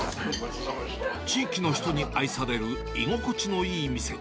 地域の人に愛される居心地のいい店。